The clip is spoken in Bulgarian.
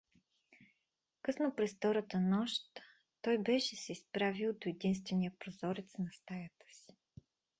Късно през втората нощ той беше се изправил до единствения прозорец на стаята си.